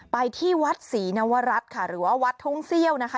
ไปที่วัดศรีนวรัฐค่ะหรือว่าวัดทุ่งเซี่ยวนะคะ